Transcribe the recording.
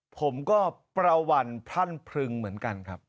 ผมก็ประวัลพรั่นพรึงเหมือนกันครับ